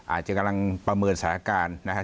อาจจะกำลังประเมินสถานการณ์นะครับ